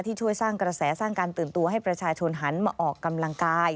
ช่วยสร้างกระแสสร้างการตื่นตัวให้ประชาชนหันมาออกกำลังกาย